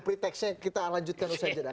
pretextnya kita lanjutkan usai saja